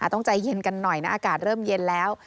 ต้องใจเย็นกันหน่อยนะอากาศเริ่มเย็นแล้ว